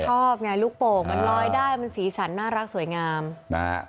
ชอบไงลูกโป่งมันลอยได้มันสีสันน่ารักสวยงามนะฮะ